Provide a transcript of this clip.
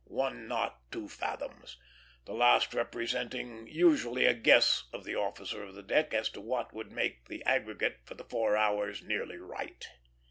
1 knot, 2 fathoms;" the last representing usually a guess of the officer of the deck as to what would make the aggregate for the four hours nearly right.